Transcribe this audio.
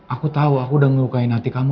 aku tau aku udah ngerukain hati kamu